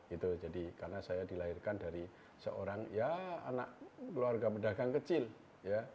itu jadi karena saya dilahirkan dari seorang ya anak keluarga pedagang kecil ya